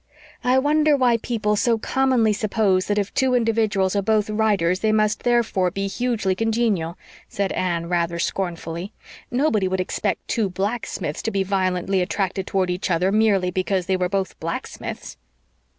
"I wonder why people so commonly suppose that if two individuals are both writers they must therefore be hugely congenial," said Anne, rather scornfully. "Nobody would expect two blacksmiths to be violently attracted toward each other merely because they were both blacksmiths."